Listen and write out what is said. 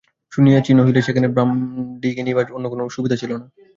শুনিয়াছি নহিলে সেখানে ব্রাণ্ডি কিনিবার অন্য কোনো সুবিধা ছিল না।